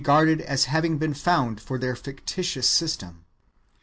2 1 1 garded as having been found for tlieir fictitious system.